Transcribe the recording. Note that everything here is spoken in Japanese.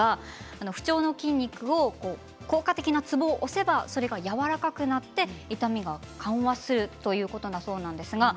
不調の筋肉に効果的なツボを押せば筋肉がやわらかくなって痛みが緩和するということです。